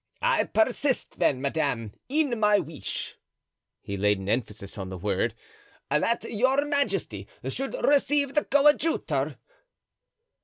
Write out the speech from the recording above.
I persist, then, madame, in my wish" (he laid an emphasis on the word), "that your majesty should receive the coadjutor."